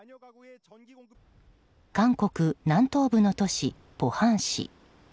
韓国南東部の都市、ポハン市。